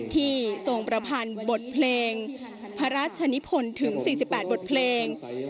ทรงประพันธ์บทเพลงพระราชนิพลถึง๔๘บทเพลง